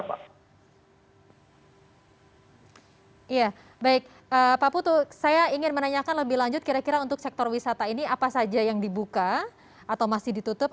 ya baik pak putu saya ingin menanyakan lebih lanjut kira kira untuk sektor wisata ini apa saja yang dibuka atau masih ditutup